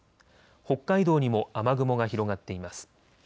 北海道にも雨雲が広がっています。